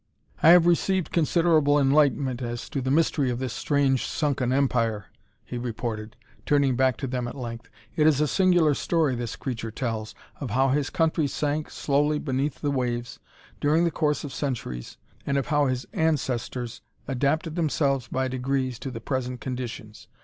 "I have received considerable enlightenment as to the mystery of this strange sunken empire," he reported, turning back to them at length. "It is a singular story this creature tells, of how his country sank slowly beneath the waves, during the course of centuries, and of how his ancestors adapted themselves by degrees to the present conditions.